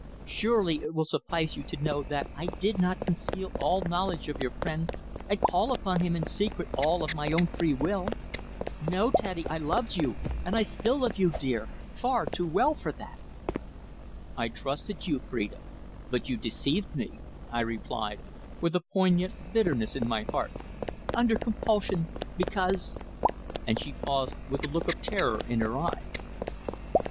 Surely it will suffice you to know that I did not conceal all knowledge of your friend and call upon him in secret all of my own free will. No, Teddy, I loved you and I still love you, dear far too well for that." "I trusted you, Phrida, but you deceived me," I replied, with a poignant bitterness in my heart. "Under compulsion. Because " and she paused with a look of terror in her eyes.